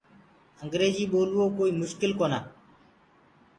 انٚگريجيٚ ٻولوو ڪوئيٚ مُشڪل ڪونآ